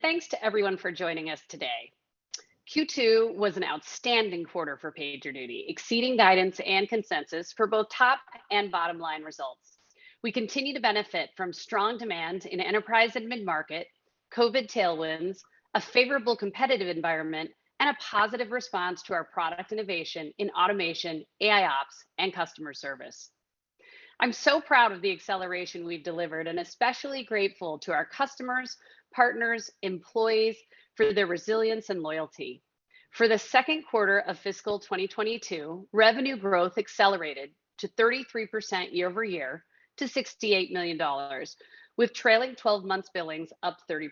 Thanks to everyone for joining us today. Q2 was an outstanding quarter for PagerDuty, exceeding guidance and consensus for both top and bottom-line results. We continue to benefit from strong demand in enterprise and mid-market, COVID tailwinds, a favorable competitive environment, and a positive response to our product innovation in automation, AIOps, and customer service. I'm so proud of the acceleration we've delivered, and especially grateful to our customers, partners, employees, for their resilience and loyalty. For the second quarter of fiscal 2022, revenue growth accelerated to 33% year-over-year to $68 million, with trailing 12 months billings up 30%.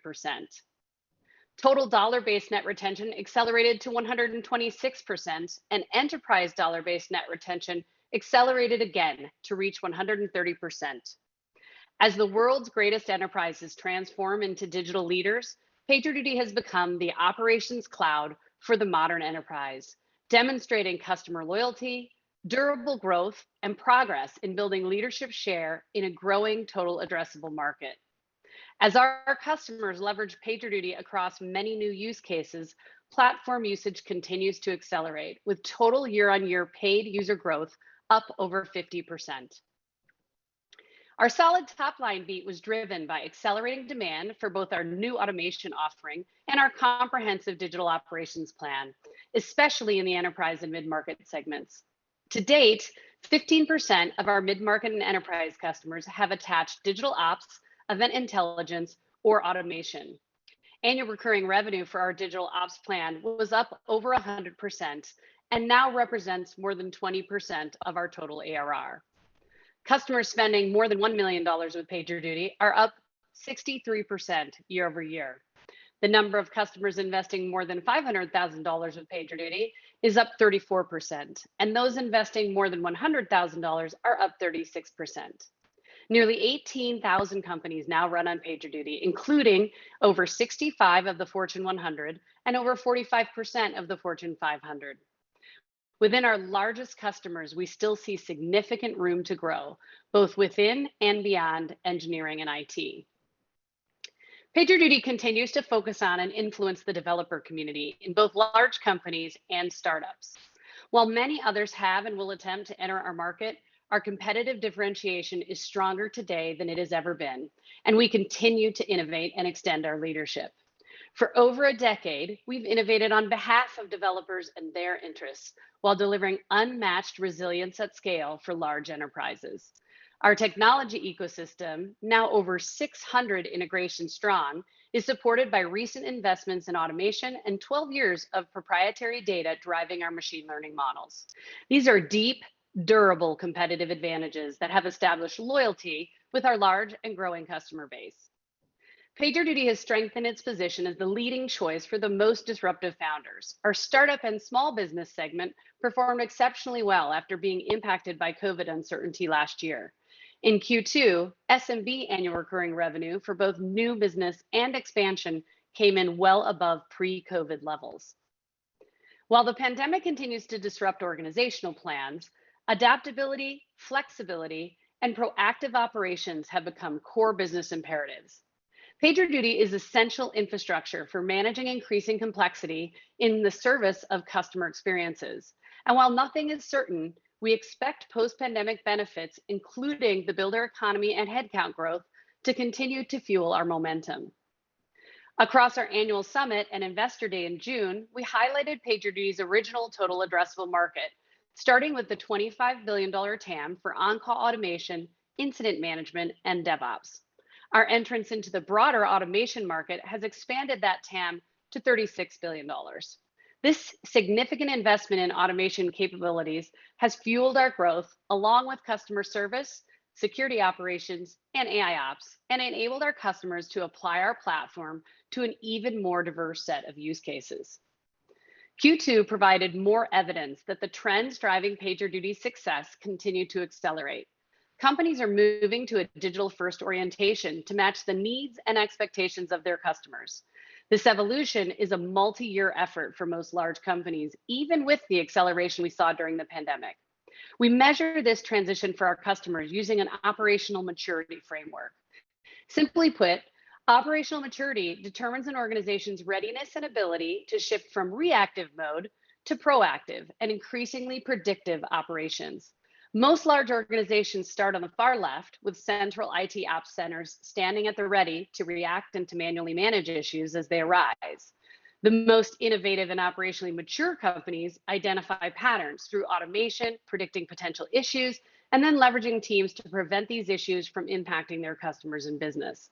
Total dollar-based net retention accelerated to 126%, and enterprise dollar-based net retention accelerated again to reach 130%. As the world's greatest enterprises transform into digital leaders, PagerDuty has become the Operations Cloud for the modern enterprise, demonstrating customer loyalty, durable growth, and progress in building leadership share in a growing total addressable market. As our customers leverage PagerDuty across many new use cases, platform usage continues to accelerate, with total year-on-year paid user growth up over 50%. Our solid top-line beat was driven by accelerating demand for both our new automation offering and our comprehensive Digital Operations plan, especially in the enterprise and mid-market segments. To date, 15% of our mid-market and enterprise customers have attached Digital ops, Event Intelligence, or automation. Annual recurring revenue for our Digital ops plan was up over 100% and now represents more than 20% of our total ARR. Customers spending more than $1 million with PagerDuty are up 63% year-over-year. The number of customers investing more than $500,000 with PagerDuty is up 34%, and those investing more than $100,000 are up 36%. Nearly 18,000 companies now run on PagerDuty, including over 65 of the Fortune 100 and over 45% of the Fortune 500. Within our largest customers, we still see significant room to grow, both within and beyond engineering and IT. PagerDuty continues to focus on and influence the developer community in both large companies and startups. While many others have and will attempt to enter our market, our competitive differentiation is stronger today than it has ever been, and we continue to innovate and extend our leadership. For over a decade, we've innovated on behalf of developers and their interests while delivering unmatched resilience at scale for large enterprises. Our technology ecosystem, now over 600 integrations strong, is supported by recent investments in automation and 12 years of proprietary data driving our machine learning models. These are deep, durable competitive advantages that have established loyalty with our large and growing customer base. PagerDuty has strengthened its position as the leading choice for the most disruptive founders. Our startup and small business segment performed exceptionally well after being impacted by COVID uncertainty last year. In Q2, SMB annual recurring revenue for both new business and expansion came in well above pre-COVID levels. While the pandemic continues to disrupt organizational plans, adaptability, flexibility, and proactive operations have become core business imperatives. PagerDuty is essential infrastructure for managing increasing complexity in the service of customer experiences. While nothing is certain, we expect post-pandemic benefits, including the builder economy and headcount growth, to continue to fuel our momentum. Across our annual Summit and investor day in June, we highlighted PagerDuty's original total addressable market, starting with the $25 billion TAM for on-call automation, incident management, and DevOps. Our entrance into the broader automation market has expanded that TAM to $36 billion. This significant investment in automation capabilities has fueled our growth, along with customer service, security operations, and AIOps, and enabled our customers to apply our platform to an even more diverse set of use cases. Q2 provided more evidence that the trends driving PagerDuty's success continue to accelerate. Companies are moving to a digital-first orientation to match the needs and expectations of their customers. This evolution is a multi-year effort for most large companies, even with the acceleration we saw during the pandemic. We measure this transition for our customers using an operational maturity framework. Simply put, operational maturity determines an organization's readiness and ability to shift from reactive mode to proactive and increasingly predictive operations. Most large organizations start on the far left with central IT ops centers standing at the ready to react and to manually manage issues as they arise. The most innovative and operationally mature companies identify patterns through automation, predicting potential issues, and then leveraging teams to prevent these issues from impacting their customers and business.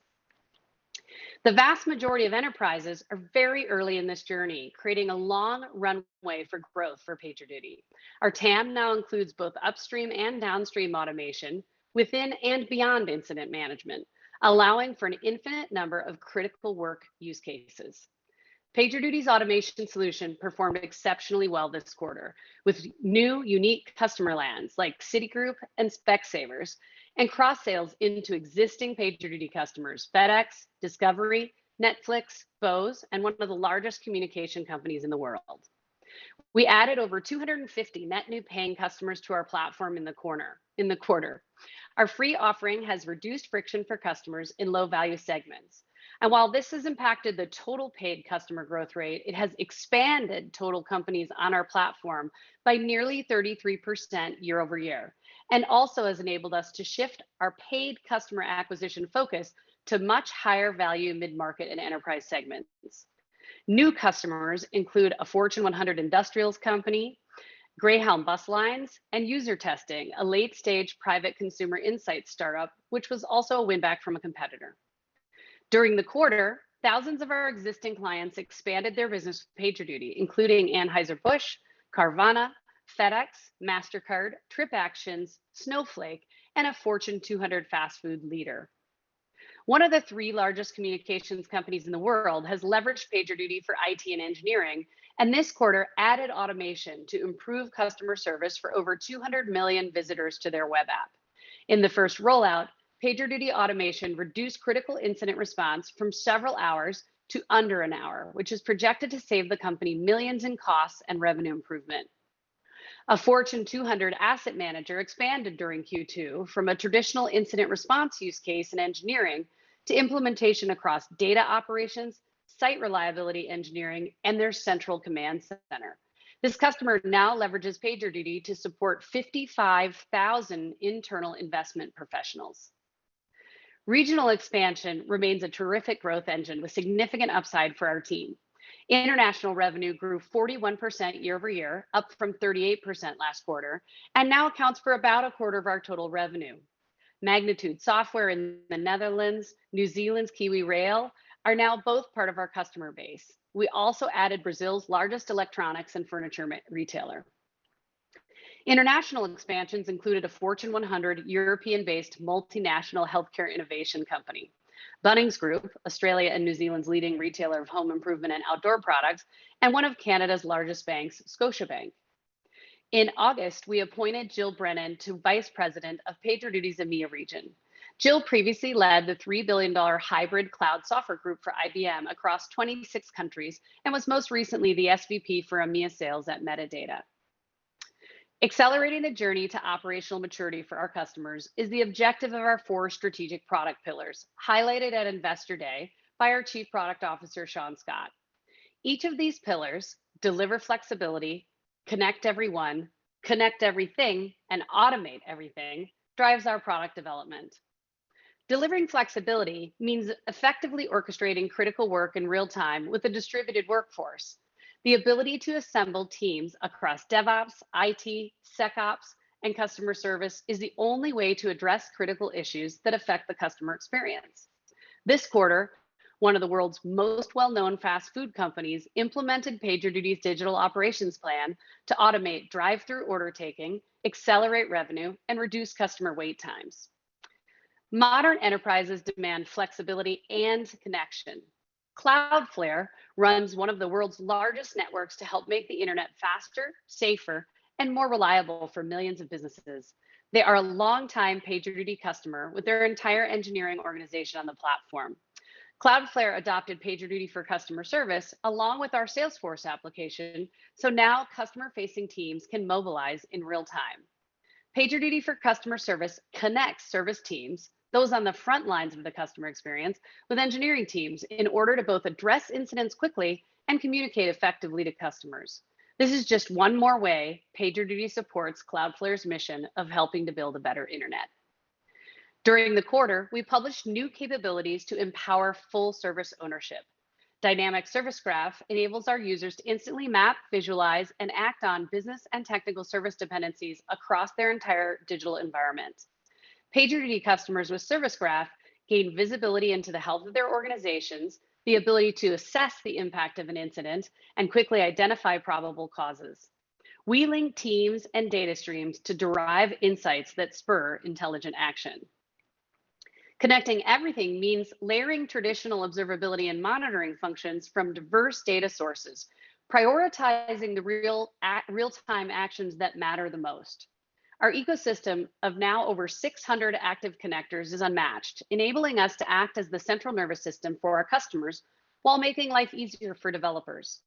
The vast majority of enterprises are very early in this journey, creating a long runway for growth for PagerDuty. Our TAM now includes both upstream and downstream automation within and beyond incident management, allowing for an infinite number of critical work use cases. PagerDuty's automation solution performed exceptionally well this quarter with new unique customer lands like Citigroup and Specsavers and cross-sales into existing PagerDuty customers, FedEx, Discovery, Netflix, Bose, and one of the largest communication companies in the world. We added over 250 net new paying customers to our platform in the quarter. Our free offering has reduced friction for customers in low-value segments. While this has impacted the total paid customer growth rate, it has expanded total companies on our platform by nearly 33% year-over-year, and also has enabled us to shift our paid customer acquisition focus to much higher value mid-market and enterprise segments. New customers include a Fortune 100 industrials company, Greyhound Bus Lines, and UserTesting, a late-stage private consumer insight startup, which was also a win-back from a competitor. During the quarter, thousands of our existing clients expanded their business with PagerDuty, including Anheuser-Busch, Carvana, FedEx, Mastercard, Navan, Snowflake, and a Fortune 200 fast food leader. One of the three largest communications companies in the world has leveraged PagerDuty for IT and engineering, and this quarter added automation to improve customer service for over 200 million visitors to their web app. In the first rollout, PagerDuty automation reduced critical incident response from several hours to under an hour, which is projected to save the company millions in costs and revenue improvement. A Fortune 200 asset manager expanded during Q2 from a traditional incident response use case in engineering to implementation across data operations, Site Reliability Engineering, and their central command center. This customer now leverages PagerDuty to support 55,000 internal investment professionals. Regional expansion remains a terrific growth engine with significant upside for our team. International revenue grew 41% year-over-year, up from 38% last quarter, and now accounts for about a quarter of our total revenue. Magnitude Software in the Netherlands, New Zealand's KiwiRail are now both part of our customer base. We also added Brazil's largest electronics and furniture retailer. International expansions included a Fortune 100 European-based multinational healthcare innovation company, Bunnings Group, Australia and New Zealand's leading retailer of home improvement and outdoor products, and one of Canada's largest banks, Scotiabank. In August, we appointed Jill Brennan to Vice President of PagerDuty's EMEA region. Jill previously led the $3 billion hybrid cloud software group for IBM across 26 countries and was most recently the SVP for EMEA sales at Medidata. Accelerating the journey to operational maturity for our customers is the objective of our four strategic product pillars, highlighted at Investor Day by our Chief Product Officer, Sean Scott. Each of these pillars, deliver flexibility, connect everyone, connect everything, and automate everything, drives our product development. Delivering flexibility means effectively orchestrating critical work in real time with a distributed workforce. The ability to assemble teams across DevOps, IT, SecOps, and customer service is the only way to address critical issues that affect the customer experience. This quarter, one of the world's most well-known fast food companies implemented PagerDuty's Digital Operations plan to automate drive-thru order taking, accelerate revenue, and reduce customer wait times. Modern enterprises demand flexibility and connection. Cloudflare runs one of the world's largest networks to help make the internet faster, safer, and more reliable for millions of businesses. They are a long-time PagerDuty customer with their entire engineering organization on the platform. Cloudflare adopted PagerDuty for customer service along with our Salesforce application, so now customer-facing teams can mobilize in real time. PagerDuty for customer service connects service teams, those on the front lines of the customer experience, with engineering teams in order to both address incidents quickly and communicate effectively to customers. This is just one more way PagerDuty supports Cloudflare's mission of helping to build a better internet. During the quarter, we published new capabilities to empower full service ownership. Dynamic Service Graph enables our users to instantly map, visualize, and act on business and technical service dependencies across their entire digital environment. PagerDuty customers with Service Graph gain visibility into the health of their organizations, the ability to assess the impact of an incident, and quickly identify probable causes. We link teams and data streams to derive insights that spur intelligent action. Connecting everything means layering traditional observability and monitoring functions from diverse data sources, prioritizing the real-time actions that matter the most. Our ecosystem of now over 600 active connectors is unmatched, enabling us to act as the central nervous system for our customers while making life easier for developers.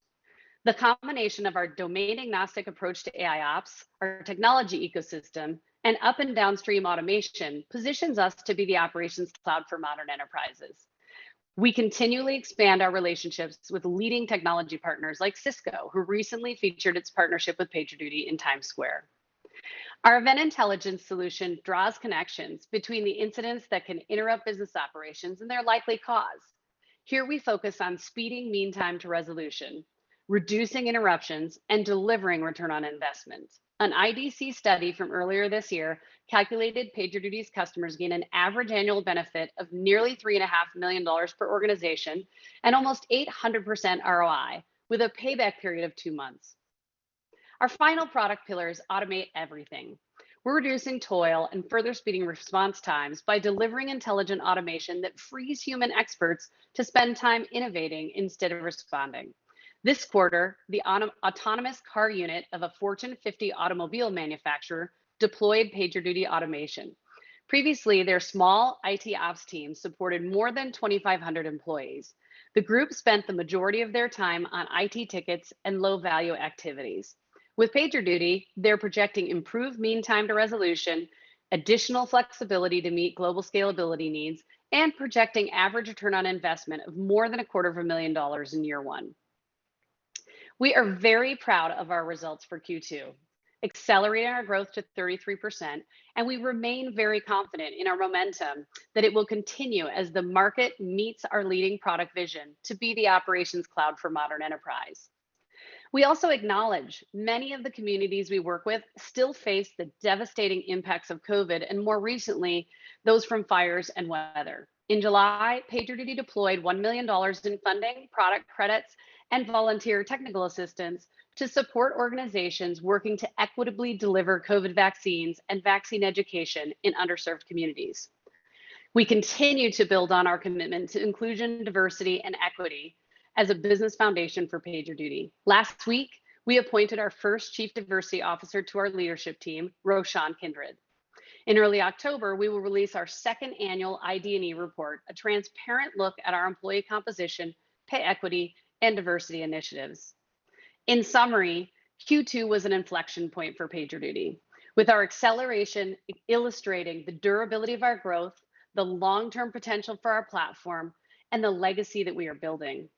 The combination of our domain-agnostic approach to AIOps, our technology ecosystem, and up- and downstream automation positions us to be the Operations Cloud for modern enterprises. We continually expand our relationships with leading technology partners like Cisco, who recently featured its partnership with PagerDuty in Times Square. Our Event Intelligence solution draws connections between the incidents that can interrupt business operations and their likely cause. Here we focus on speeding mean time to resolution, reducing interruptions, and delivering ROI. An IDC study from earlier this year calculated PagerDuty's customers gain an average annual benefit of nearly three and a half million dollars per organization and almost 800% ROI with a payback period of two months. Our final product pillar is automate everything. We're reducing toil and further speeding response times by delivering intelligent automation that frees human experts to spend time innovating instead of responding. This quarter, the autonomous car unit of a Fortune 50 automobile manufacturer deployed PagerDuty automation. Previously, their small IT ops team supported more than 2,500 employees. The group spent the majority of their time on IT tickets and low-value activities. With PagerDuty, they're projecting improved mean time to resolution, additional flexibility to meet global scalability needs, and projecting average ROI of more than a quarter of a million dollars in year one. We are very proud of our results for Q2, accelerating our growth to 33%, and we remain very confident in our momentum that it will continue as the market meets our leading product vision to be the Operations Cloud for modern enterprise. We also acknowledge many of the communities we work with still face the devastating impacts of COVID, and more recently, those from fires and weather. In July, PagerDuty deployed $1 million in funding, product credits, and volunteer technical assistance to support organizations working to equitably deliver COVID vaccines and vaccine education in underserved communities. We continue to build on our commitment to inclusion, diversity, and equity as a business foundation for PagerDuty. Last week, we appointed our first Chief Diversity Officer to our leadership team, Roshan Kindred. In early October, we will release our second annual ID&E report, a transparent look at our employee composition, pay equity, and diversity initiatives. In summary, Q2 was an inflection point for PagerDuty, with our acceleration illustrating the durability of our growth, the long-term potential for our platform, and the legacy that we are building.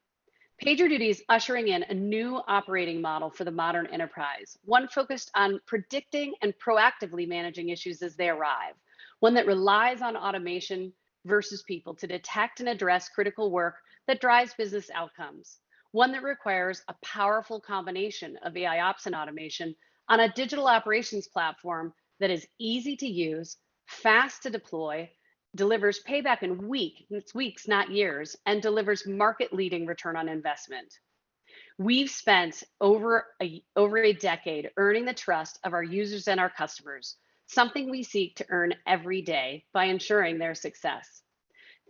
PagerDuty is ushering in a new operating model for the modern enterprise, one focused on predicting and proactively managing issues as they arrive. One that relies on automation versus people to detect and address critical work that drives business outcomes. One that requires a powerful combination of AIOps and automation on a digital operations platform that is easy to use, fast to deploy, delivers payback in weeks, not years, and delivers market-leading ROI. We've spent over a decade earning the trust of our users and our customers, something we seek to earn every day by ensuring their success.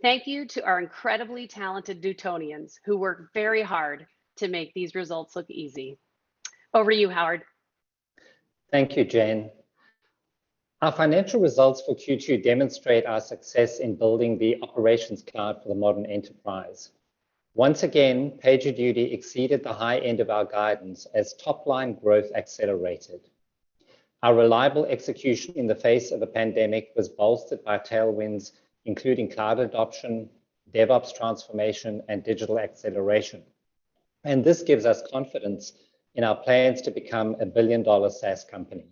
Thank you to our incredibly talented Dutonians, who work very hard to make these results look easy. Over to you, Howard. Thank you, Jennifer. Our financial results for Q2 demonstrate our success in building the Operations Cloud for the modern enterprise. PagerDuty exceeded the high end of our guidance as top-line growth accelerated. Our reliable execution in the face of a pandemic was bolstered by tailwinds, including cloud adoption, DevOps transformation, and digital acceleration. This gives us confidence in our plans to become a billion-dollar SaaS company.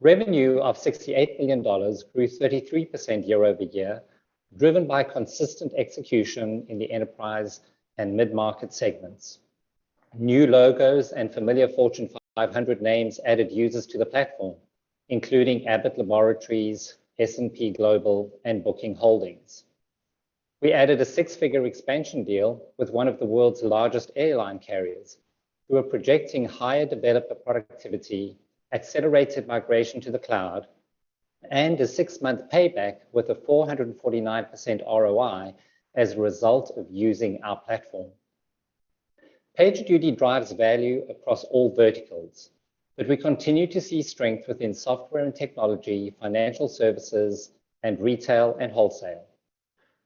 Revenue of $68 million grew 33% year-over-year, driven by consistent execution in the enterprise and mid-market segments. New logos and familiar Fortune 500 names added users to the platform, including Abbott Laboratories, S&P Global, and Booking Holdings. We added a six-figure expansion deal with one of the world's largest airline carriers, who are projecting higher developer productivity, accelerated migration to the cloud, and a six-month payback with a 449% ROI as a result of using our platform. PagerDuty drives value across all verticals. We continue to see strength within software and technology, financial services, and retail and wholesale.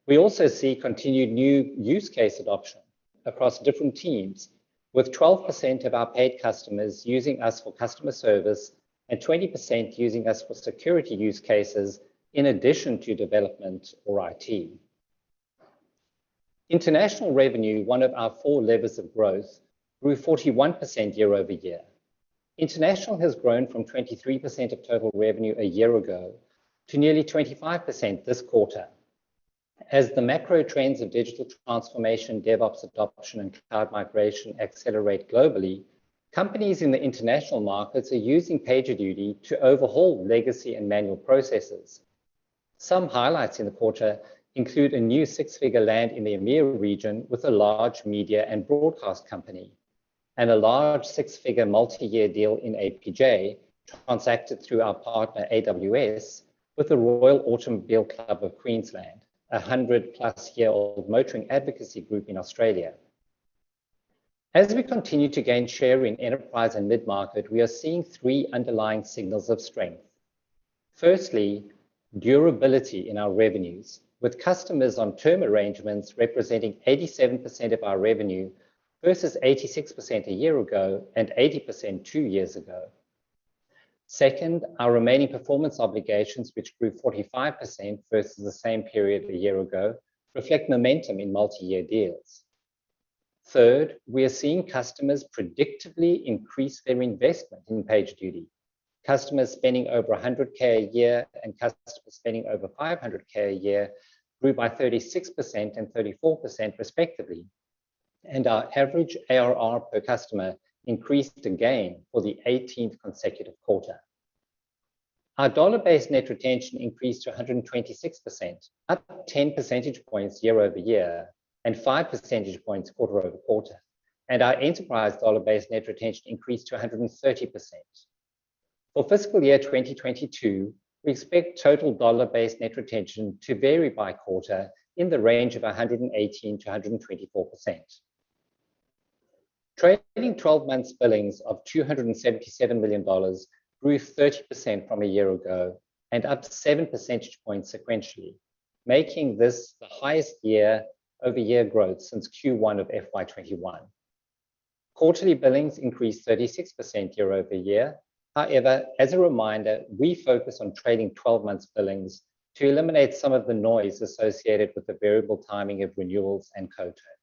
We also see continued new use case adoption across different teams, with 12% of our paid customers using us for customer service and 20% using us for security use cases in addition to development or IT. International revenue, one of our four levers of growth, grew 41% year-over-year. International has grown from 23% of total revenue a year ago to nearly 25% this quarter. As the macro trends of digital transformation, DevOps adoption, and cloud migration accelerate globally, companies in the international markets are using PagerDuty to overhaul legacy and manual processes. Some highlights in the quarter include a new six-figure land in the EMEA region with a large media and broadcast company and a large six-figure multi-year deal in APJ, transacted through our partner AWS, with the Royal Automobile Club of Queensland, a 100-plus-year-old motoring advocacy group in Australia. As we continue to gain share in enterprise and mid-market, we are seeing three underlying signals of strength. Firstly, durability in our revenues, with customers on term arrangements representing 87% of our revenue, versus 86% a year ago and 80% two years ago. Second, our remaining performance obligations, which grew 45% versus the same period a year ago, reflect momentum in multi-year deals. Third, we are seeing customers predictably increase their investment in PagerDuty. Customers spending over $100K a year and customers spending over $500K a year grew by 36% and 34% respectively, and our average ARR per customer increased again for the 18th consecutive quarter. Our dollar-based net retention increased to 126%, up 10 percentage points year-over-year and 5 percentage points quarter-over-quarter, and our enterprise dollar-based net retention increased to 130%. For fiscal year 2022, we expect total dollar-based net retention to vary by quarter in the range of 118%-124%. Trailing 12-month billings of $277 million grew 30% from a year ago and up 7% sequentially. Making this the highest year-over-year growth since Q1 of FY 2021. Quarterly billings increased 36% year-over-year. However, as a reminder, we focus on trailing 12 months billings to eliminate some of the noise associated with the variable timing of renewals and co-terms.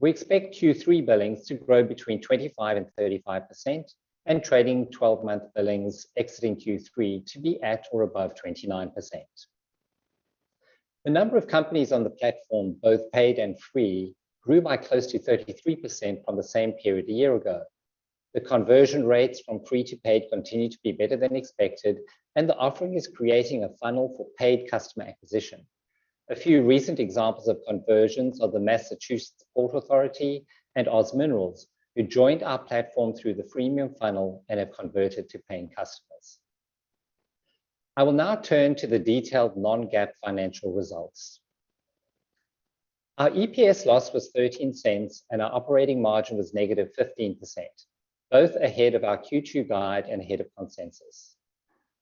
We expect Q3 billings to grow between 25% and 35%, and trailing 12 month billings exiting Q3 to be at or above 29%. The number of companies on the platform, both paid and free, grew by close to 33% from the same period a year ago. The conversion rates from free to paid continue to be better than expected, and the offering is creating a funnel for paid customer acquisition. A few recent examples of conversions are the Massachusetts Port Authority and OZ Minerals, who joined our platform through the freemium funnel and have converted to paying customers. I will now turn to the detailed non-GAAP financial results. Our EPS loss was $0.13, and our operating margin was negative 15%, both ahead of our Q2 guide and ahead of consensus.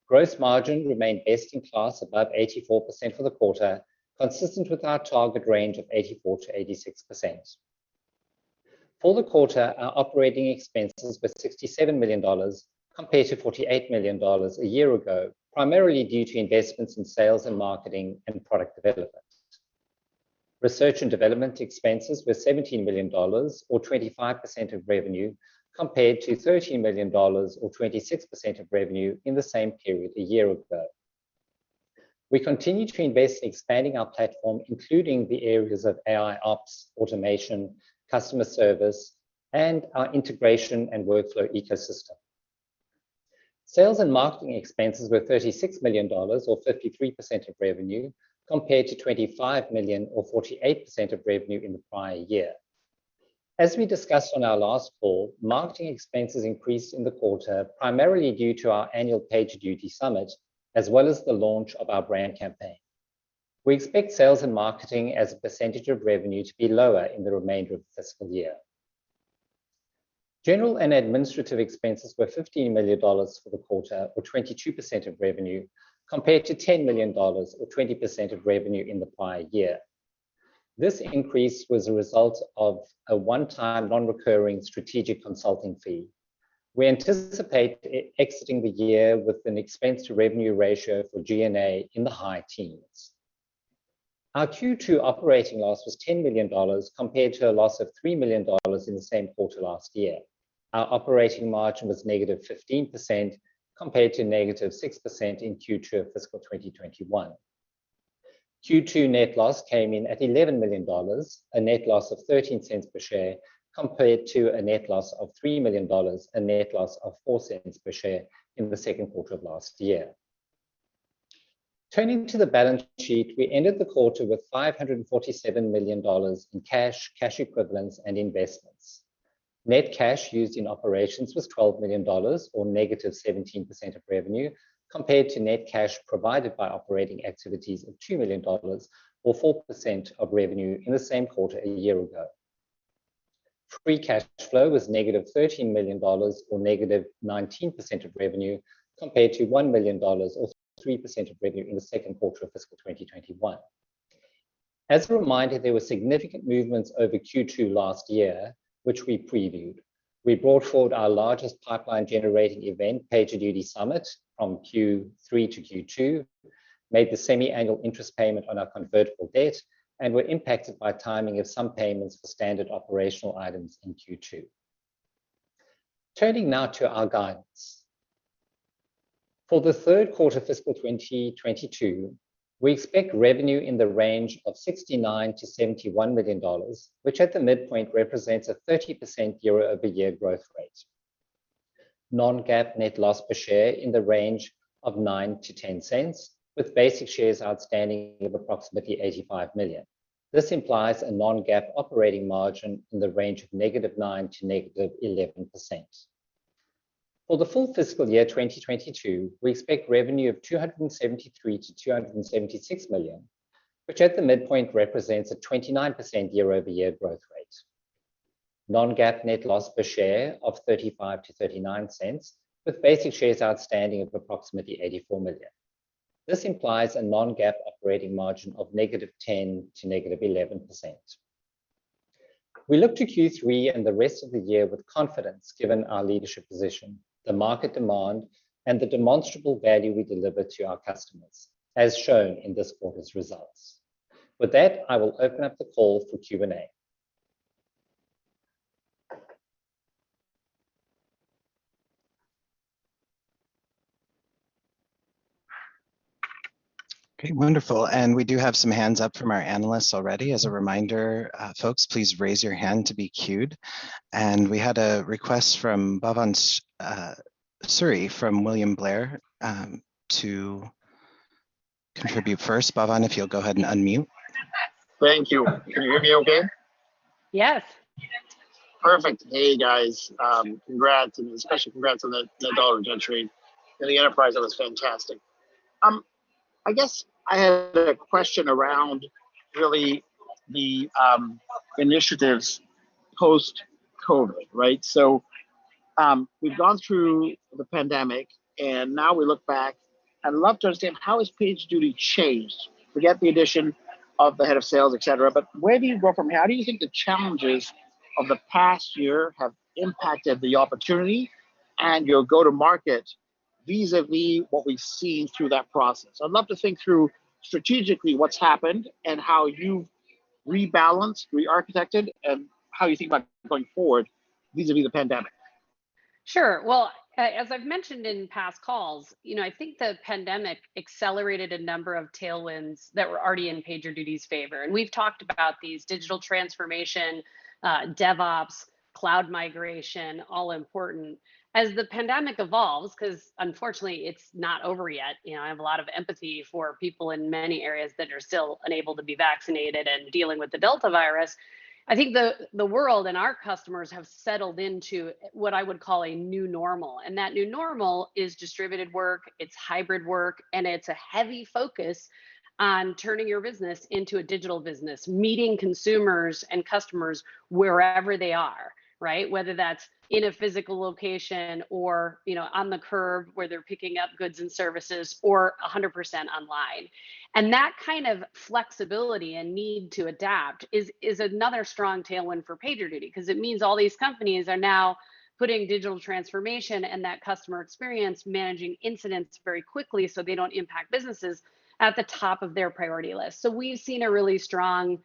Gross margin remained best in class, above 84% for the quarter, consistent with our target range of 84%-86%. For the quarter, our operating expenses were $67 million compared to $48 million a year ago, primarily due to investments in sales and marketing and product development. Research and development expenses were $17 million, or 25% of revenue, compared to $13 million, or 26% of revenue, in the same period a year ago. We continue to invest in expanding our platform, including the areas of AIOps, automation, customer service, and our integration and workflow ecosystem. Sales and marketing expenses were $36 million, or 53% of revenue, compared to $25 million, or 48% of revenue, in the prior year. As we discussed on our last call, marketing expenses increased in the quarter primarily due to our annual PagerDuty Summit, as well as the launch of our brand campaign. We expect sales and marketing as a percentage of revenue to be lower in the remainder of the fiscal year. General and administrative expenses were $15 million for the quarter, or 22% of revenue, compared to $10 million, or 20% of revenue, in the prior year. This increase was a result of a one-time, non-recurring strategic consulting fee. We anticipate exiting the year with an expense to revenue ratio for G&A in the high teens. Our Q2 operating loss was $10 million, compared to a loss of $3 million in the same quarter last year. Our operating margin was negative 15%, compared to negative 6% in Q2 of fiscal 2021. Q2 net loss came in at $11 million, a net loss of $0.13 per share, compared to a net loss of $3 million, a net loss of $0.04 per share, in the second quarter of last year. Turning to the balance sheet, we ended the quarter with $547 million in cash equivalents, and investments. Net cash used in operations was $12 million, or negative 17% of revenue, compared to net cash provided by operating activities of $2 million, or 4% of revenue, in the same quarter a year ago. Free cash flow was negative $13 million, or negative 19% of revenue, compared to $1 million, or 3% of revenue, in the second quarter of fiscal 2021. As a reminder, there were significant movements over Q2 last year, which we previewed. We brought forward our largest pipeline generating event, PagerDuty Summit, from Q3 to Q2, made the semi-annual interest payment on our convertible debt, and were impacted by timing of some payments for standard operational items in Q2. Turning now to our guidance. For the third quarter fiscal 2022, we expect revenue in the range of $69 million-$71 million, which at the midpoint represents a 30% year-over-year growth rate. Non-GAAP net loss per share in the range of $0.09-$0.10, with basic shares outstanding of approximately 85 million. This implies a non-GAAP operating margin in the range of -9% to -11%. For the full fiscal year 2022, we expect revenue of $273 million-$276 million, which at the midpoint represents a 29% year-over-year growth rate. Non-GAAP net loss per share of $0.35-$0.39, with basic shares outstanding of approximately 84 million. This implies a non-GAAP operating margin of negative 10%-negative 11%. We look to Q3 and the rest of the year with confidence, given our leadership position, the market demand, and the demonstrable value we deliver to our customers, as shown in this quarter's results. With that, I will open up the call for Q&A. Okay, wonderful. We do have some hands up from our analysts already. As a reminder, folks, please raise your hand to be queued. We had a request from Bhavan Suri from William Blair to contribute first. Bhavan, if you'll go ahead and unmute. Thank you. Can you hear me okay? Yes. Perfect. Hey, guys. Congrats, and especially congrats on the dollar retention and the Enterprise. That was fantastic. I guess I had a question around really the initiatives. Post-COVID, right? We've gone through the pandemic, and now we look back. I'd love to understand how has PagerDuty changed? Forget the addition of the head of sales, et cetera, but where do you go from here? How do you think the challenges of the past year have impacted the opportunity and your go to market vis-a-vis what we've seen through that process? I'd love to think through strategically what's happened and how you've rebalanced, re-architected, and how you think about going forward vis-a-vis the pandemic. Sure. Well, as I've mentioned in past calls, I think the pandemic accelerated a number of tailwinds that were already in PagerDuty's favor, and we've talked about these. Digital transformation, DevOps, cloud migration, all important. As the pandemic evolves, because unfortunately it's not over yet, I have a lot of empathy for people in many areas that are still unable to be vaccinated and dealing with the Delta virus. I think the world and our customers have settled into what I would call a new normal. That new normal is distributed work, it's hybrid work, and it's a heavy focus on turning your business into a digital business. Meeting consumers and customers wherever they are, right? Whether that's in a physical location or on the curb where they're picking up goods and services or 100% online. That kind of flexibility and need to adapt is another strong tailwind for PagerDuty because it means all these companies are now putting digital transformation and that customer experience, managing incidents very quickly so they don't impact businesses, at the top of their priority list. We've seen a really strong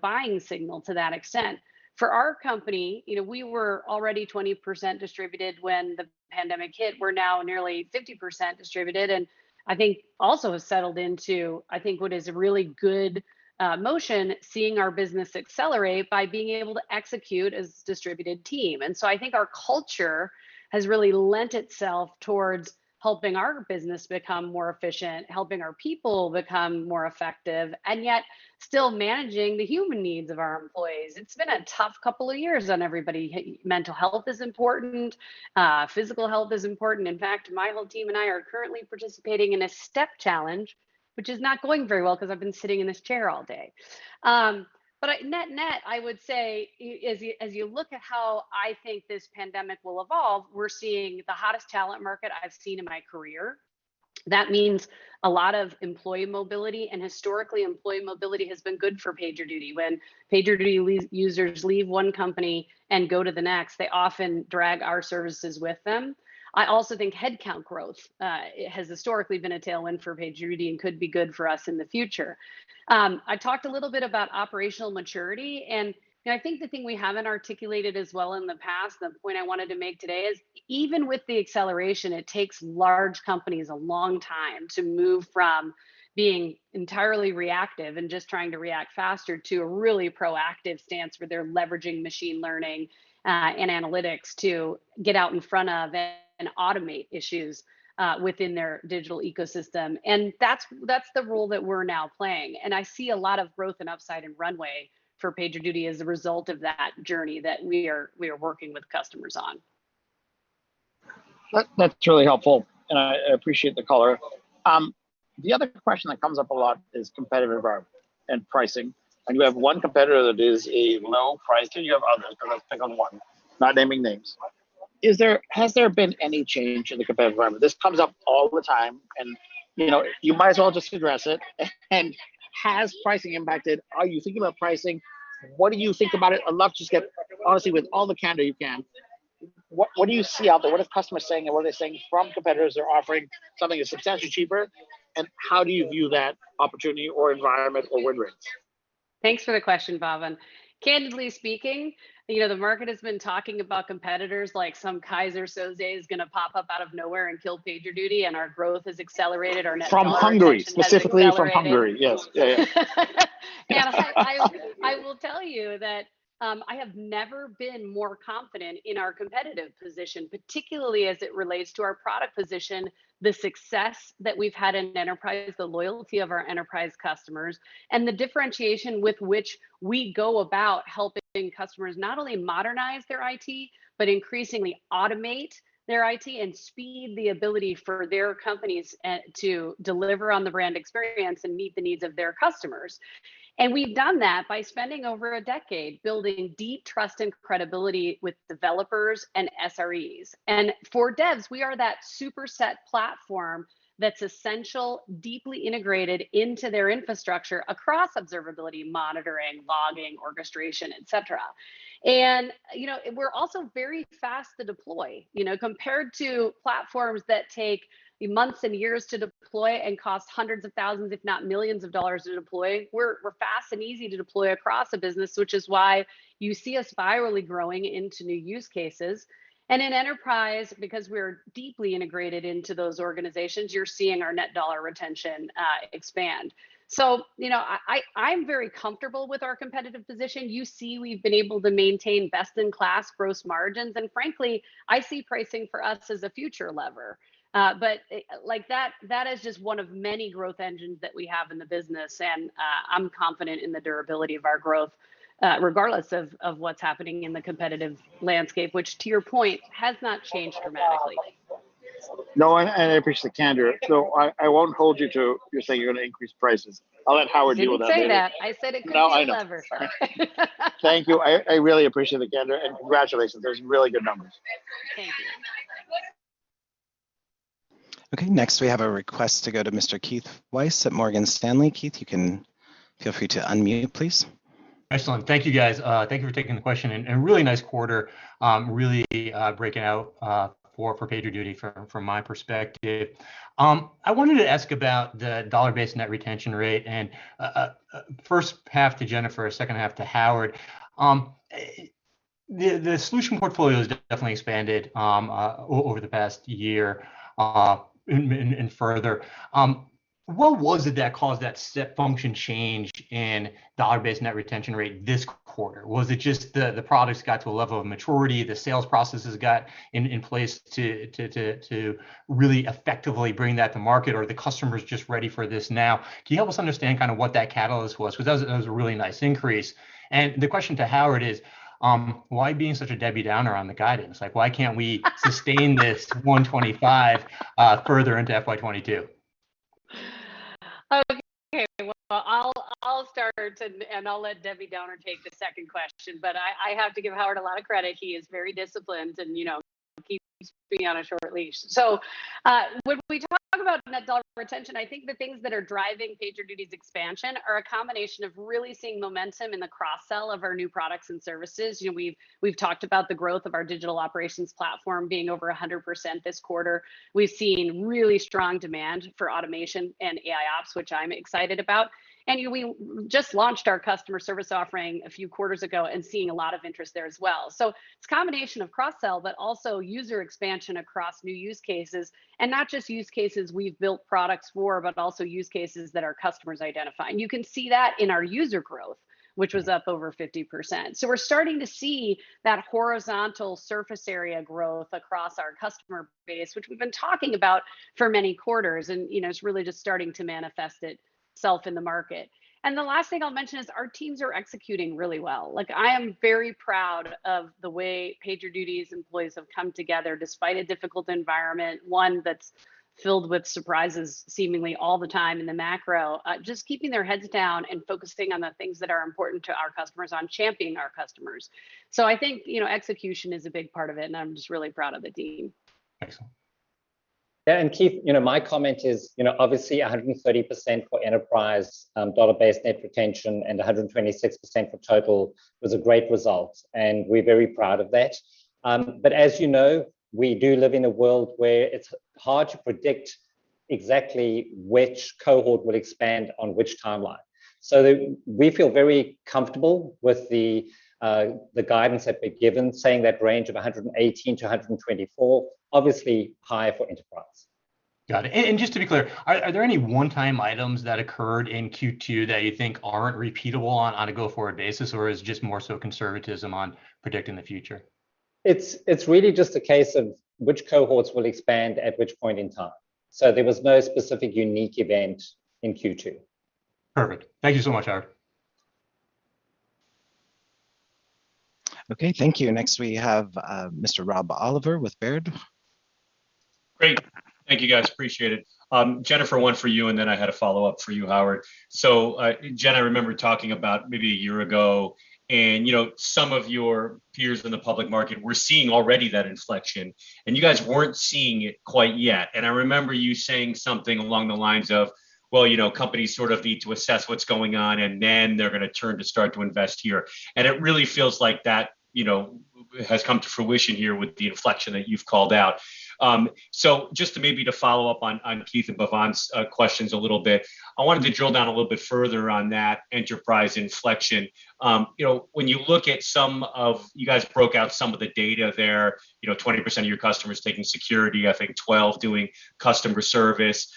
buying signal to that extent. For our company, we were already 20% distributed when the pandemic hit. We're now nearly 50% distributed, and I think also have settled into, I think, what is a really good motion, seeing our business accelerate by being able to execute as a distributed team. I think our culture has really lent itself towards helping our business become more efficient, helping our people become more effective, and yet still managing the human needs of our employees. It's been a tough couple of years on everybody. Mental health is important. Physical health is important. In fact, my whole team and I are currently participating in a step challenge, which is not going very well because I've been sitting in this chair all day. Net-net, I would say, as you look at how I think this pandemic will evolve, we're seeing the hottest talent market I've seen in my career. That means a lot of employee mobility, and historically, employee mobility has been good for PagerDuty. When PagerDuty users leave one company and go to the next, they often drag our services with them. I also think headcount growth has historically been a tailwind for PagerDuty and could be good for us in the future. I talked a little bit about operational maturity, and I think the thing we haven't articulated as well in the past, the point I wanted to make today is even with the acceleration, it takes large companies a long time to move from being entirely reactive and just trying to react faster to a really proactive stance where they're leveraging machine learning and analytics to get out in front of and automate issues within their digital ecosystem. That's the role that we're now playing, and I see a lot of growth and upside and runway for PagerDuty as a result of that journey that we are working with customers on. That's really helpful, and I appreciate the color. The other question that comes up a lot is competitive environment and pricing. You have one competitor that is a low price, and you have others, but let's pick on one, not naming names. Has there been any change in the competitive environment? This comes up all the time. You might as well just address it. Has pricing impacted, are you thinking about pricing? What do you think about it? I'd love to just get, honestly, with all the candor you can, what do you see out there? What are customers saying, what are they saying from competitors that are offering something that's substantially cheaper, and how do you view that opportunity or environment or wind rates? Thanks for the question, Bhavan. Candidly speaking, the market has been talking about competitors, like some Keyser Söze is going to pop up out of nowhere and kill PagerDuty, and our growth has accelerated. Our net dollar-. From Hungary. Specifically from Hungary. ...retention has accelerated. Yes. Yeah. I will tell you that I have never been more confident in our competitive position, particularly as it relates to our product position, the success that we've had in enterprise, the loyalty of our enterprise customers, and the differentiation with which we go about helping customers not only modernize their IT, but increasingly automate their IT and speed the ability for their companies to deliver on the brand experience and meet the needs of their customers. We've done that by spending over a decade building deep trust and credibility with developers and SREs. For devs, we are that super set platform that's essential, deeply integrated into their infrastructure across observability, monitoring, logging, orchestration, et cetera. We're also very fast to deploy. Compared to platforms that take months and years to deploy and cost hundreds of thousands, if not millions, of dollars to deploy, we're fast and easy to deploy across a business, which is why you see us virally growing into new use cases. In enterprise, because we are deeply integrated into those organizations, you're seeing our net dollar retention expand. I'm very comfortable with our competitive position. You see we've been able to maintain best in class gross margins, and frankly, I see pricing for us as a future lever. That is just one of many growth engines that we have in the business, and I'm confident in the durability of our growth, regardless of what's happening in the competitive landscape, which to your point, has not changed dramatically. No. I appreciate the candor, so I won't hold you to your saying you're going to increase prices. I'll let Howard deal with that later. I didn't say that. I said increase lever. No, I know. Sorry. Thank you. I really appreciate the candor, and congratulations. Those are really good numbers. Thank you. Okay, next we have a request to go to Mr. Keith Weiss at Morgan Stanley. Keith, you can feel free to unmute, please. Excellent. Thank you guys. Thank you for taking the question, a really nice quarter, really breaking out for PagerDuty from my perspective. I wanted to ask about the dollar-based net retention rate, first half to Jennifer, second half to Howard. The solution portfolio has definitely expanded over the past year, further. What was it that caused that step function change in dollar-based net retention rate this quarter? Was it just the products got to a level of maturity, the sales processes got in place to really effectively bring that to market, or are the customers just ready for this now? Can you help us understand what that catalyst was? Because that was a really nice increase. The question to Howard is why being such a Debbie Downer on the guidance? Like why can't we sustain this 125 further into FY 2022? Okay, well, I'll start, and I'll let Debbie Downer take the second question. I have to give Howard a lot of credit. He is very disciplined and keeps me on a short leash. When we talk about net dollar retention, I think the things that are driving PagerDuty's expansion are a combination of really seeing momentum in the cross-sell of our new products and services. We've talked about the growth of our Digital Operations platform being over 100% this quarter. We've seen really strong demand for automation and AIOps, which I'm excited about. We just launched our customer service offering a few quarters ago and seeing a lot of interest there as well. It's a combination of cross-sell, but also user expansion across new use cases. Not just use cases we've built products for, but also use cases that our customers identify. You can see that in our user growth, which was up over 50%. We're starting to see that horizontal surface area growth across our customer base, which we've been talking about for many quarters, and it's really just starting to manifest itself in the market. The last thing I'll mention is our teams are executing really well. I am very proud of the way PagerDuty's employees have come together despite a difficult environment, one that's filled with surprises seemingly all the time in the macro, just keeping their heads down and focusing on the things that are important to our customers, on championing our customers. I think execution is a big part of it, and I'm just really proud of the team. Excellent. Keith Weiss, my comment is obviously 130% for enterprise dollar-based net retention and 126% for total was a great result, and we're very proud of that. As you know, we do live in a world where it's hard to predict exactly which cohort will expand on which timeline. We feel very comfortable with the guidance that we've given, saying that range of 118%-124%, obviously higher for enterprise. Got it. Just to be clear, are there any one-time items that occurred in Q2 that you think aren't repeatable on a go-forward basis, or is it just more so conservatism on predicting the future? It's really just a case of which cohorts will expand at which point in time. There was no specific unique event in Q2. Perfect. Thank you so much, Howard. Okay, thank you. Next, we have Mr. Rob Oliver with Baird. Great. Thank you, guys. Appreciate it. Jennifer, one for you, and then I had a follow-up for you, Howard. Jen, I remember talking about maybe a year ago, and some of your peers in the public market were seeing already that inflection, and you guys weren't seeing it quite yet. I remember you saying something along the lines of, "Well, companies sort of need to assess what's going on, and then they're going to turn to start to invest here." It really feels like that has come to fruition here with the inflection that you've called out. Just to maybe to follow up on Keith and Bhavan's questions a little bit, I wanted to drill down a little bit further on that enterprise inflection. You guys broke out some of the data there, 20% of your customers taking security, I think 12 doing customer service.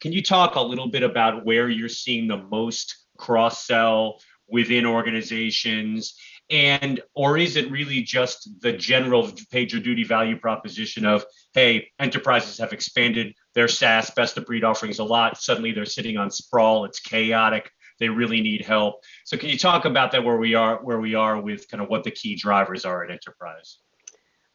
Can you talk a little bit about where you're seeing the most cross-sell within organizations, or is it really just the general PagerDuty value proposition of, hey, enterprises have expanded their SaaS best-of-breed offerings a lot. Suddenly, they're sitting on sprawl, it's chaotic. They really need help. Can you talk about that, where we are with what the key drivers are at enterprise?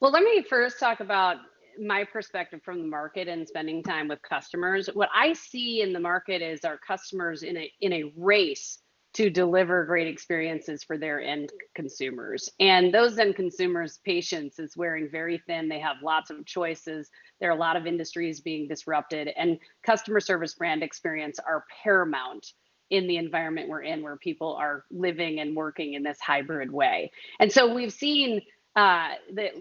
Let me first talk about my perspective from the market and spending time with customers. What I see in the market is our customers in a race to deliver great experiences for their end consumers. Those end consumers' patience is wearing very thin. They have lots of choices. There are a lot of industries being disrupted, and customer service brand experience are paramount in the environment we're in, where people are living and working in this hybrid way. We've seen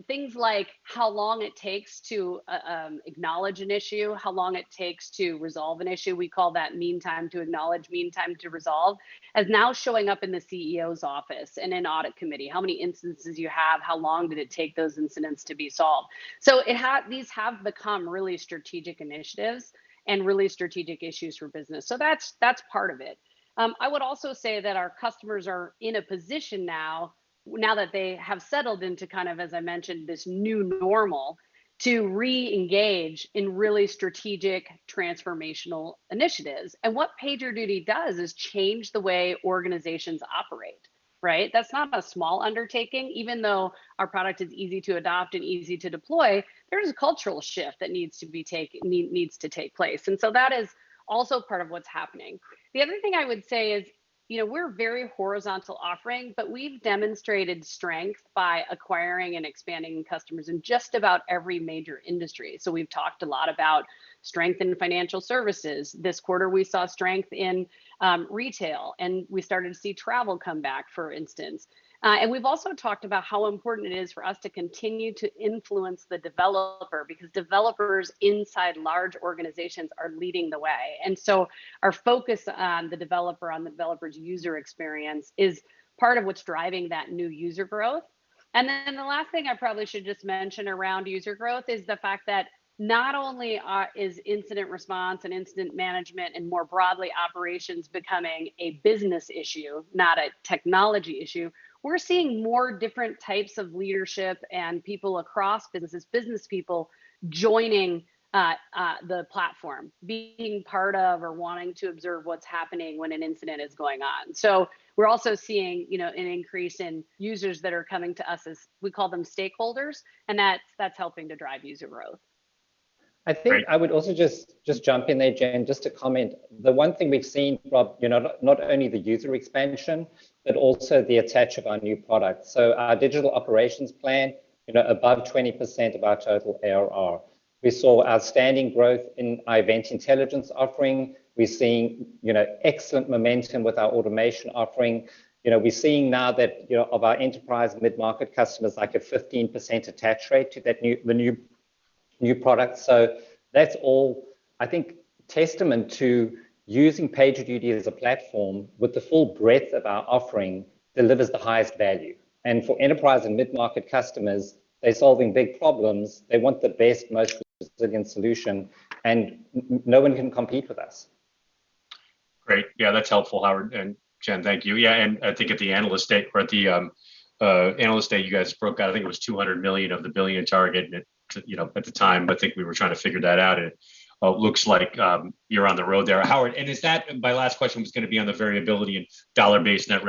things like how long it takes to acknowledge an issue, how long it takes to resolve an issue. We call that mean time to acknowledge, mean time to resolve. That is now showing up in the CEO's office and in audit committee. How many instances you have, how long did it take those incidents to be solved? These have become really strategic initiatives and really strategic issues for business. That's part of it. I would also say that our customers are in a position now that they have settled into kind of, as I mentioned, this new normal, to reengage in really strategic, transformational initiatives. What PagerDuty does is change the way organizations operate. Right? That's not a small undertaking. Even though our product is easy to adopt and easy to deploy, there is a cultural shift that needs to take place, and so that is also part of what's happening. The other thing I would say is we're a very horizontal offering, but we've demonstrated strength by acquiring and expanding customers in just about every major industry. We've talked a lot about strength in financial services. This quarter, we saw strength in retail. We started to see travel come back, for instance. We've also talked about how important it is for us to continue to influence the developer, because developers inside large organizations are leading the way. Our focus on the developer, on the developer's user experience, is part of what's driving that new user growth. The last thing I probably should just mention around user growth is the fact that not only is incident response and incident management, and more broadly, operations, becoming a business issue, not a technology issue, we're seeing more different types of leadership and people across businesses, business people joining the platform, being part of or wanting to observe what's happening when an incident is going on. We're also seeing an increase in users that are coming to us as, we call them stakeholders, and that's helping to drive user growth. Great. I think I would also just jump in there, Jen, just to comment. The one thing we've seen, Rob, not only the user expansion, but also the attach of our new product. Our Digital Operations plan, above 20% of our total ARR. We saw outstanding growth in our Event Intelligence offering. We're seeing excellent momentum with our automation offering. We're seeing now that of our enterprise mid-market customers, like a 15% attach rate to the new product. That's all, I think, testament to using PagerDuty as a platform with the full breadth of our offering delivers the highest value. For enterprise and mid-market customers, they're solving big problems. They want the best, most resilient solution, and no one can compete with us. Great. Yeah, that's helpful, Howard and Jennifer Tejada. Thank you. I think at the analyst day you guys broke out, I think it was $200 million of the $1 billion target, at the time, I think we were trying to figure that out, and it looks like you're on the road there. Howard, my last question was going to be on the variability in dollar-based net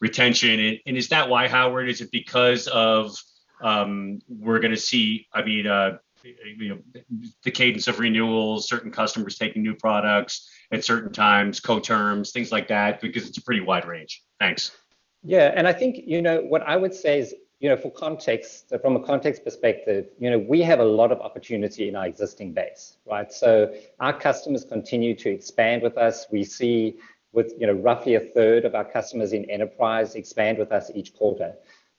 retention. Is that why, Howard? Is it because we're going to see the cadence of renewals, certain customers taking new products at certain times, co-terms, things like that? It's a pretty wide range. Thanks. I think what I would say is from a context perspective, we have a lot of opportunity in our existing base, right? Our customers continue to expand with us. We see with roughly a third of our customers in enterprise expand with us each quarter.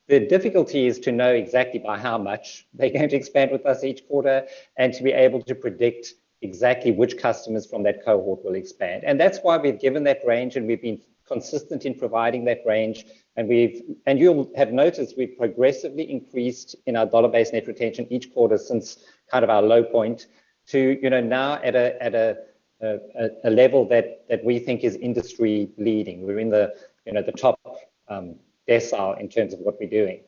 The difficulty is to know exactly by how much they're going to expand with us each quarter and to be able to predict exactly which customers from that cohort will expand. That's why we've given that range, and we've been consistent in providing that range. You'll have noticed we've progressively increased in our dollar-based net retention each quarter since our low point to now at a level that we think is industry leading. We're in the top decile in terms of what we're doing.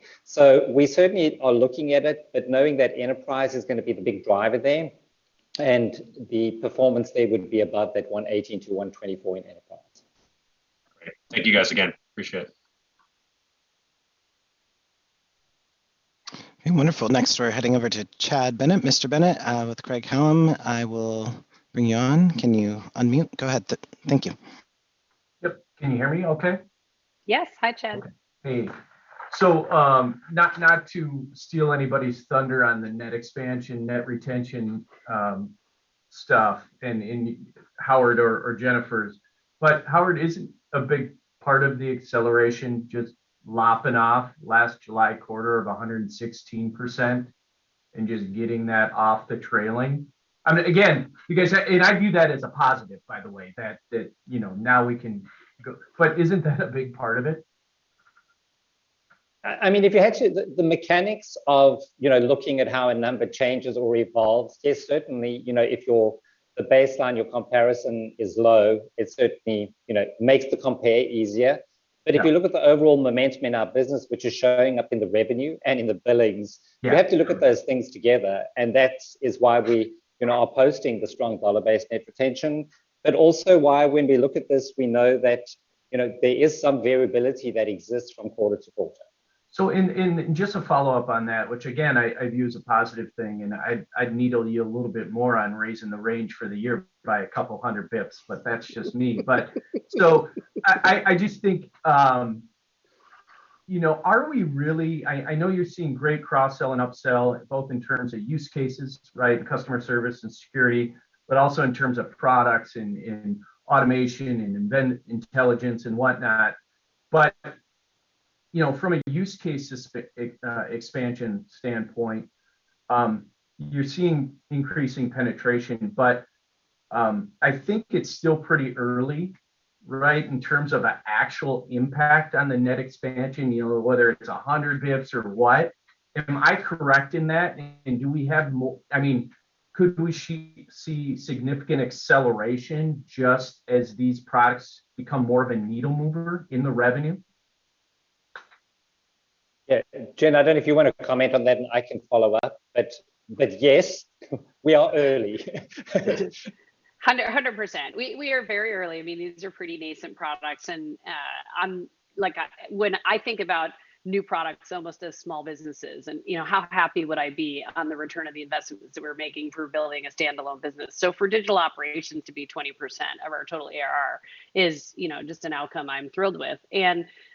We certainly are looking at it, but knowing that enterprise is going to be the big driver there, and the performance there would be above that 118%-124% in enterprise. Great. Thank you, guys, again. Appreciate it. Wonderful. Next, we're heading over to Chad Bennett. Mr. Bennett, with Craig-Hallum. I will bring you on. Can you unmute? Go ahead. Thank you. Yep. Can you hear me okay? Yes. Hi, Chad. Hey. Not to steal anybody's thunder on the net expansion, net retention stuff, and Howard or Jennifer's, but Howard, isn't a big part of the acceleration just lopping off last July quarter of 116% and just getting that off the trailing? Again, I view that as a positive, by the way, that now we can go, isn't that a big part of it? Actually, the mechanics of looking at how a number changes or evolves is certainly, if your baseline, your comparison is low, it certainly makes the compare easier. Yeah. If you look at the overall momentum in our business, which is showing up in the revenue and in the billings. Yeah You have to look at those things together, and that is why we are posting the strong dollar-based net retention, but also why when we look at this, we know that there is some variability that exists from quarter-to-quarter. Just a follow-up on that, which again, I view as a positive thing, and I'd needle you a little bit more on raising the range for the year by 200 basis points, but that's just me. I just think are we really, I know you're seeing great cross-sell and up-sell, both in terms of use cases, right? Customer service and security, but also in terms of products in automation and Event Intelligence and whatnot. But from a use case expansion standpoint, you're seeing increasing penetration, but I think it's still pretty early, right? In terms of the actual impact on the net expansion, whether it's 100 basis points or what. Am I correct in that? And could we see significant acceleration just as these products become more of a needle mover in the revenue? Yeah. Jen, I don't know if you want to comment on that, and I can follow up, but yes, we are early. 100%. We are very early. These are pretty decent products, when I think about new products almost as small businesses, and how happy would I be on the return of the investments that we're making for building a standalone business. For Digital Operations to be 20% of our total ARR is just an outcome I'm thrilled with.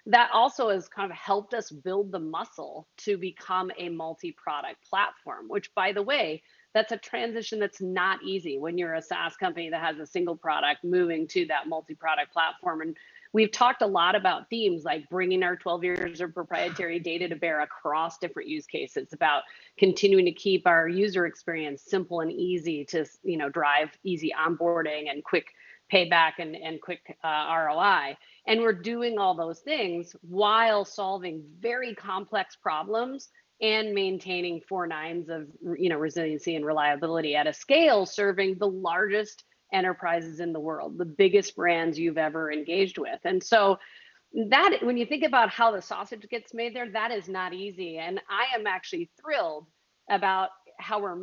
That also has helped us build the muscle to become a multi-product platform. Which by the way, that's a transition that's not easy when you're a SaaS company that has a single product moving to that multi-product platform. We've talked a lot about themes, like bringing our 12 years of proprietary data to bear across different use cases, about continuing to keep our user experience simple and easy to drive easy onboarding and quick payback and quick ROI. We're doing all those things while solving very complex problems and maintaining 4 nines of resiliency and reliability at a scale serving the largest enterprises in the world, the biggest brands you've ever engaged with. When you think about how the sausage gets made there, that is not easy. I am actually thrilled about how we're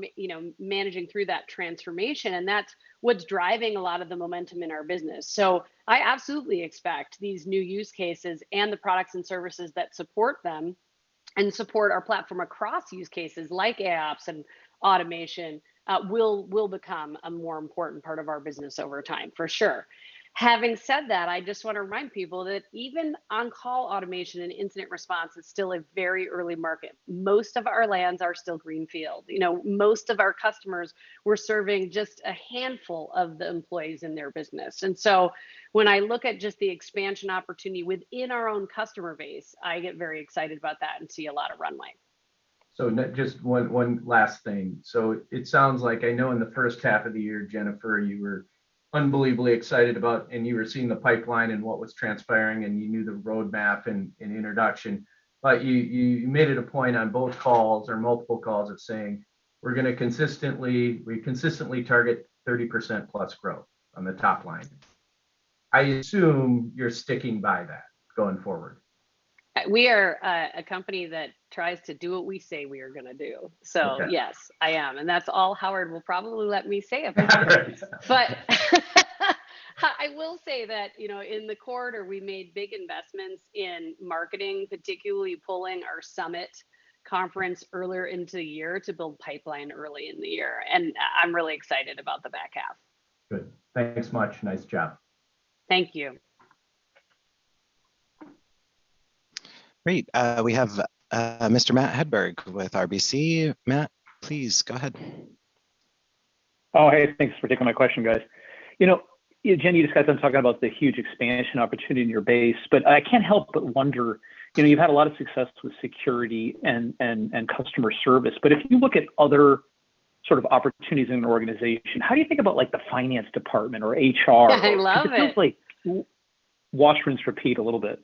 managing through that transformation, and that's what's driving a lot of the momentum in our business. I absolutely expect these new use cases and the products and services that support them, and support our platform across use cases like AIOps and automation will become a more important part of our business over time, for sure. Having said that, I just want to remind people that even on-call automation and incident response is still a very early market. Most of our lands are still greenfield. Most of our customers, we're serving just a handful of the employees in their business. When I look at just the expansion opportunity within our own customer base, I get very excited about that and see a lot of runway. Just one last thing. It sounds like, I know in the first half of the year, Jennifer, you were unbelievably excited about, and you were seeing the pipeline and what was transpiring, and you knew the roadmap and introduction. You made it a point on both calls or multiple calls of saying, "We consistently target 30%+ growth on the top line." I assume you're sticking by that going forward. We are a company that tries to do what we say we are going to do. Okay. Yes, I am, and that's all Howard will probably let me say about that. I will say that, in the quarter, we made big investments in marketing, particularly pulling our Summit conference earlier into the year to build pipeline early in the year, and I'm really excited about the back half. Good. Thanks much. Nice job. Thank you. Great. We have Mr. Matt Hedberg with RBC. Matt, please go ahead. Oh, hey. Thanks for taking my question, guys. Jen, you just got done talking about the huge expansion opportunity in your base, but I can't help but wonder, you've had a lot of success with security and customer service, but if you look at other sort of opportunities in an organization, how do you think about the finance department or HR? I love it. It feels like wash, rinse, repeat a little bit.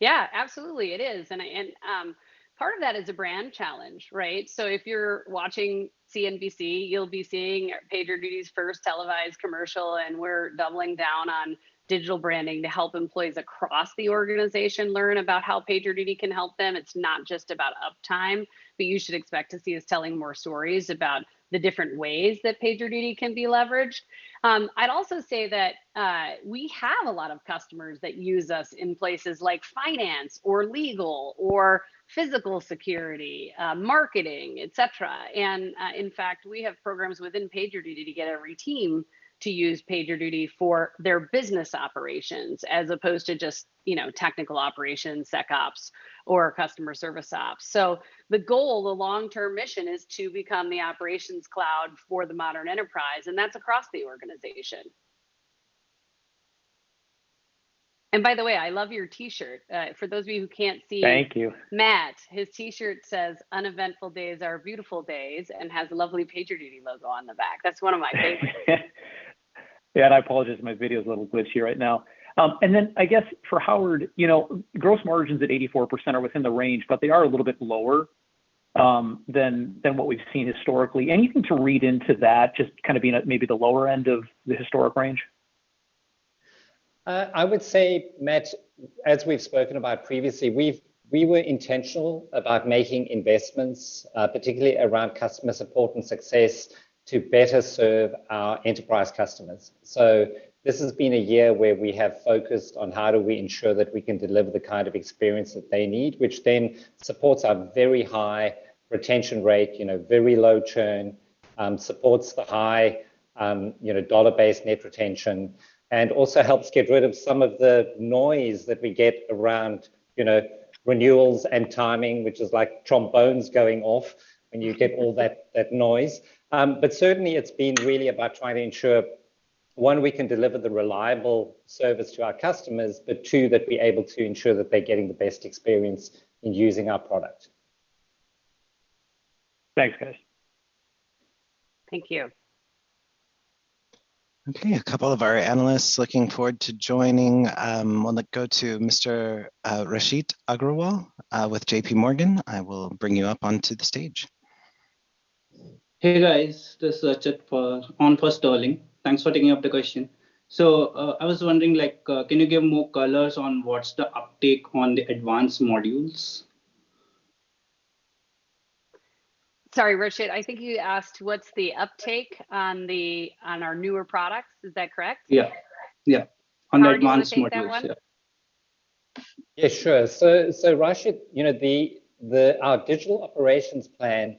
Yeah, absolutely it is. Part of that is a brand challenge, right? If you're watching CNBC, you'll be seeing PagerDuty's first televised commercial, and we're doubling down on digital branding to help employees across the organization learn about how PagerDuty can help them. It's not just about uptime, but you should expect to see us telling more stories about the different ways that PagerDuty can be leveraged. I'd also say that we have a lot of customers that use us in places like finance or legal or physical security, marketing, et cetera. In fact, we have programs within PagerDuty to get every team to use PagerDuty for their business operations as opposed to just technical operations, SecOps or customer service ops. The goal, the long-term mission, is to become the Operations Cloud for the modern enterprise, and that's across the organization. By the way, I love your T-shirt. Thank you. Matt, his T-shirt says, "Uneventful days are beautiful days," and has a lovely PagerDuty logo on the back. That's one of my favorites. I apologize, my video's a little glitchy right now. I guess for Howard, gross margins at 84% are within the range, but they are a little bit lower than what we've seen historically. Anything to read into that, just kind of being at maybe the lower end of the historic range? I would say, Matt, as we've spoken about previously, we were intentional about making investments, particularly around customer support and success to better serve our enterprise customers. This has been a year where we have focused on how do we ensure that we can deliver the kind of experience that they need, which then supports our very high retention rate, very low churn, supports the high dollar-based net retention, and also helps get rid of some of the noise that we get around renewals and timing, which is like trombones going off when you get all that noise. Certainly it's been really about trying to ensure, one, we can deliver the reliable service to our customers, but two, that we're able to ensure that they're getting the best experience in using our product. Thanks, guys. Thank you. Okay, a couple of our analysts looking forward to joining. I'm going to go to Mr. Rachit Agrawal with JPMorgan. I will bring you up onto the stage. Hey, guys. This is Rachit on for Sterling. Thanks for taking up the question. I was wondering, can you give more colors on what's the uptake on the advanced modules? Sorry, Rachit, I think you asked what's the uptake on our newer products. Is that correct? Yeah. On the advanced modules. Yeah. Howard, do you want to take that one? Yeah, sure. Rachit, our Digital Operations plan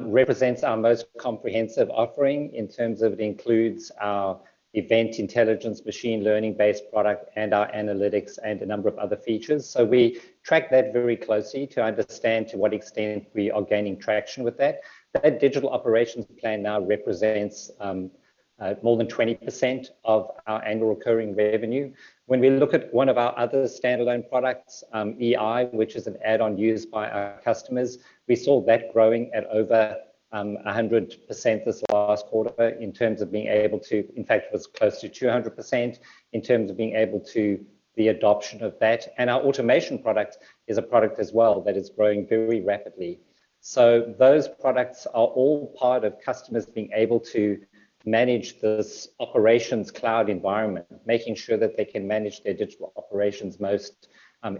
represents our most comprehensive offering in terms of it includes our Event Intelligence, machine learning-based product, and our analytics and a number of other features. We track that very closely to understand to what extent we are gaining traction with that. That Digital Operations plan now represents more than 20% of our annual recurring revenue. When we look at one of our other standalone products, EI, which is an add-on used by our customers, we saw that growing at over 100% this last quarter, in fact it was close to 200%, in terms of being able to the adoption of that. Our automation product is a product as well that is growing very rapidly. Those products are all part of customers being able to manage this Operations Cloud environment, making sure that they can manage their digital operations most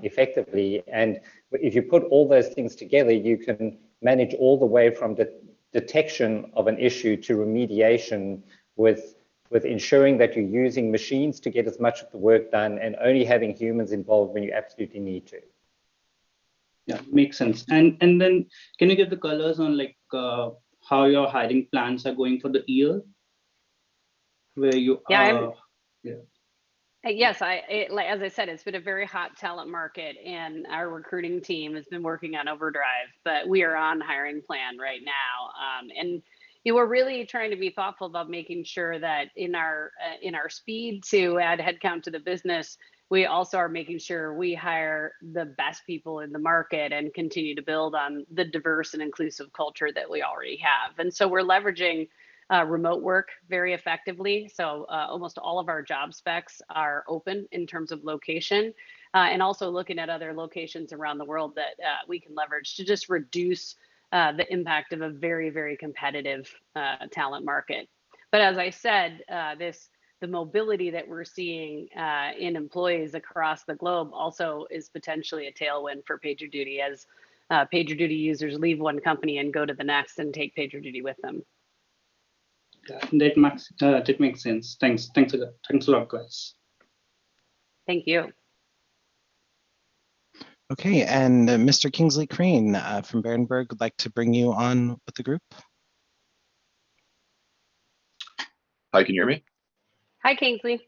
effectively. If you put all those things together, you can manage all the way from the detection of an issue to remediation with ensuring that you're using machines to get as much of the work done and only having humans involved when you absolutely need to. Yeah, makes sense. Can you give the colors on how your hiring plans are going for the year, where you are? Yeah. Yeah. Yes, as I said, it's been a very hot talent market and our recruiting team has been working on overdrive. We are on hiring plan right now. We're really trying to be thoughtful about making sure that in our speed to add headcount to the business, we also are making sure we hire the best people in the market and continue to build on the diverse and inclusive culture that we already have. We're leveraging remote work very effectively, so almost all of our job specs are open in terms of location. Also looking at other locations around the world that we can leverage to just reduce the impact of a very, very competitive talent market. As I said, the mobility that we're seeing in employees across the globe also is potentially a tailwind for PagerDuty as PagerDuty users leave one company and go to the next and take PagerDuty with them. Yeah. That makes sense. Thanks a lot, guys. Thank you. Okay, and Mr. Kingsley Crane from Berenberg, I'd like to bring you on with the group. Hi, can you hear me? Hi, Kingsley.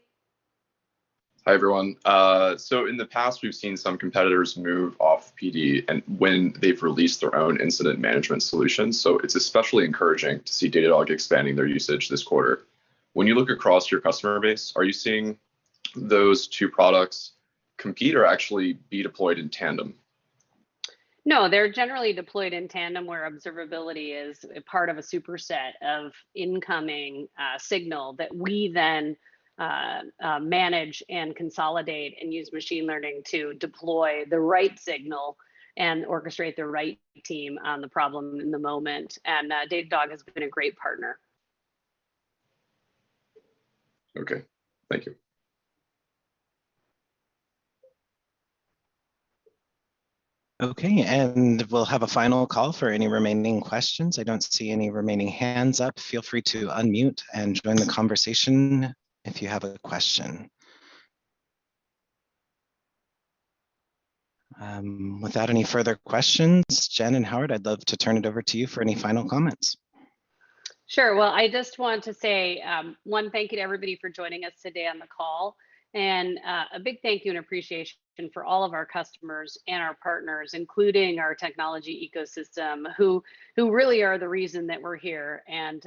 Hi, everyone. In the past, we've seen some competitors move off PagerDuty and when they've released their own incident management solutions. It's especially encouraging to see Datadog expanding their usage this quarter. When you look across your customer base, are you seeing those two products compete or actually be deployed in tandem? No, they're generally deployed in tandem where observability is a part of a superset of incoming signal that we then manage and consolidate and use machine learning to deploy the right signal and orchestrate the right team on the problem in the moment. Datadog has been a great partner. Okay. Thank you. Okay, we'll have a final call for any remaining questions. I don't see any remaining hands up. Feel free to unmute and join the conversation if you have a question. Without any further questions, Jen and Howard, I'd love to turn it over to you for any final comments. Sure. Well, I just want to say one thank you to everybody for joining us today on the call. A big thank you and appreciation for all of our customers and our partners, including our technology ecosystem, who really are the reason that we're here, and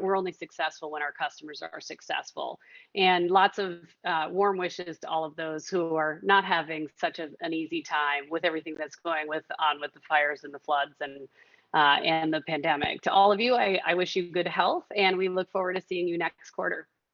we're only successful when our customers are successful. Lots of warm wishes to all of those who are not having such an easy time with everything that's going on with the fires and the floods and the pandemic. To all of you, I wish you good health and we look forward to seeing you next quarter.